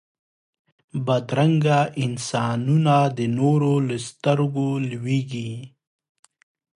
بدرنګه انسانونه د نورو له سترګو لوېږي